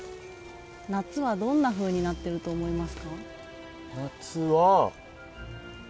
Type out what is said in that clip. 夏はどんなふうになってると思いますか？